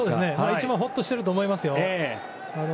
一番ほっとしていると思いますよ。